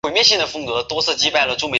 楝叶吴萸为芸香科吴茱萸属的植物。